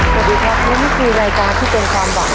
สวัสดีครับนี่ไม่มีรายการที่เป็นความหวัง